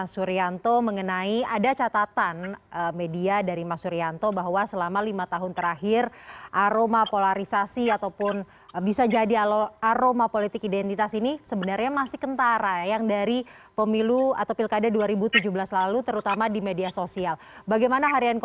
sudah salah satunya adalah